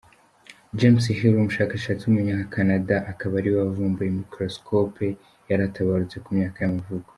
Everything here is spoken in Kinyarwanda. James Hillier, umushakashatsi w’umunyakanada, akaba ariwe wavumbuye Microscope yaratabarutse, ku myaka y’amavuko.